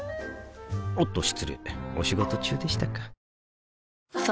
おっと失礼お仕事中でしたか